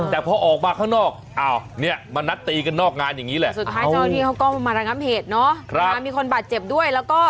แต่พอออกมาข้างนอกอ้าวเนี่ยมานัดตีกันนอกงานอย่างนี้แหละ